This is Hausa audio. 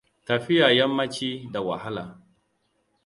Tafiya yammaci da wahala.